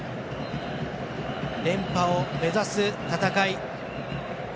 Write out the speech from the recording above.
連覇を目指す戦い。